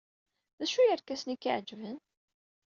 D acu n yerkasen ay k-iɛejben?